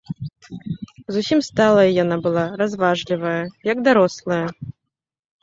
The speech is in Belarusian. Зусім сталая яна была, разважлівая, як дарослая.